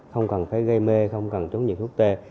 không cần phải gây mê không cần tốn nhiều thuốc tê